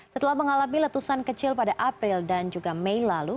setelah mengalami letusan kecil pada april dan juga mei lalu